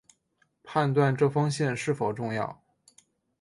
判断这封信是否重要